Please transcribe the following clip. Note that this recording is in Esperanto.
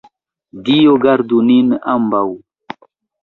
Dio gardu nin ambaŭ!